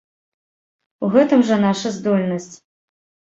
У гэтым жа наша здольнасць.